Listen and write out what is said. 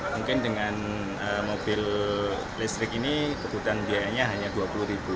mungkin dengan mobil listrik ini kebutuhan biayanya hanya rp dua puluh ribu